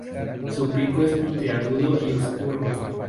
Su pico es puntiagudo y oscuro.